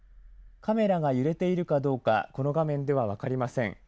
カメラが揺れているかどうかこの画面では分かりません。